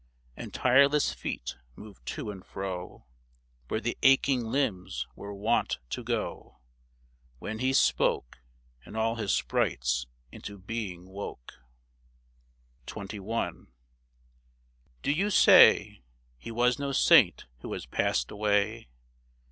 And tireless feet moved to and fro Where the aching limbs were wont to go, When he spoke And all his sprites into being woke. XXI. Do you say He was no saint who has passed away